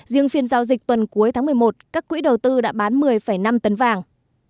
riêng phiên giao dịch tuần cuối tháng một mươi một các quỹ đầu tư đã bán một mươi năm tấn vàng